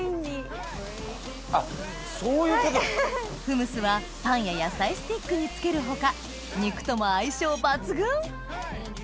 フムスはパンや野菜スティックに付ける他肉とも相性抜群！